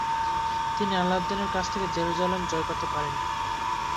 তিনি সালাউদ্দিনের কাছ থেকে জেরুজালেম জয় করতে পারেন নি।